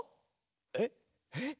えっえっ？